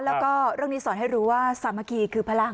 แล้วก็เรื่องนี้สอนให้รู้ว่าสามัคคีคือพลัง